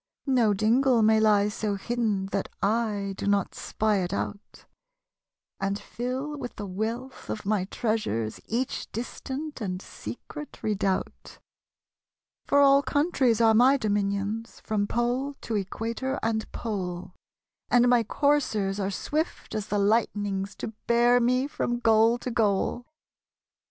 No dingle may lie so hidden That / do not spy it out, And fill with the wealih of my treasures Each distant and secret redoubt. 3S SONG OF AUTUMN. For all countries are my dominionSj From pole to equator and pole; And my coursers are swift as the light'nings To bear me from goal to goal.